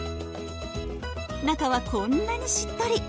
中はこんなにしっとり。